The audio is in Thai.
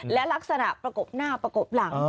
และลักษณะประกบหน้าประกบหลัง